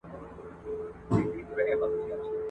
محتسب ډېوې وژلي د رڼا غلیم راغلی ..